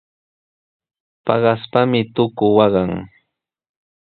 Paqaspami tuku waqan.